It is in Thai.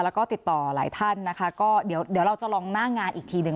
แล้วก็ติดต่อหลายท่านนะคะก็เดี๋ยวเดี๋ยวเราจะลองหน้างานอีกทีหนึ่ง